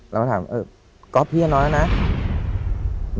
เราก็ถามก๊อฟพี่ก็นอนแล้วนะ